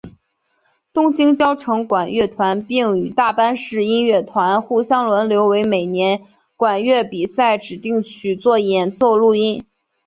东京佼成管乐团并与大阪市音乐团互相轮流为每年的管乐比赛指定曲做演奏录音。